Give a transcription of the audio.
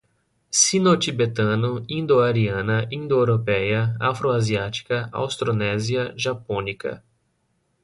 Sino-tibetano, indo-ariana, indo-europeia, afro-asiática, austronésia, japônica